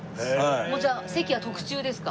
じゃあ席は特注ですか？